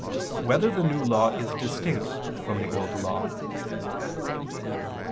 1] Whether the New Law Is Distinct from the Old Law?